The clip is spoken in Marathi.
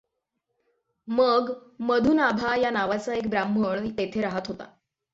मग मधुनाभा या नावाचा एक ब्राह्मण तेथे राहात होता.